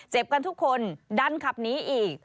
กันทุกคนดันขับหนีอีก